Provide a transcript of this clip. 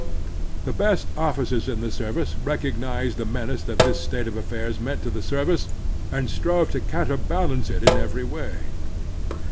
The best officers in the service recognized the menace that this state of affairs meant to the service, and strove to counterbalance it in every way.